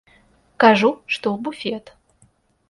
Кажу, што ў буфет.